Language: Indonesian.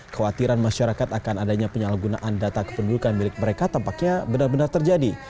kekhawatiran masyarakat akan adanya penyalahgunaan data kependudukan milik mereka tampaknya benar benar terjadi